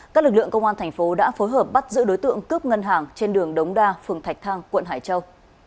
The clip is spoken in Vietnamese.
các lực lượng công an thành phố đã phối hợp bắt giữ đối tượng cướp ngân hàng trên đường đống đa phường thạch thang quận hải châu